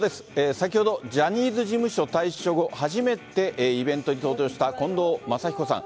先ほど、ジャニーズ事務所退所後、初めてイベントに登場した近藤真彦さん。